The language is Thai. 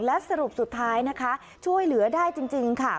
และสรุปสุดท้ายนะคะช่วยเหลือได้จริงค่ะ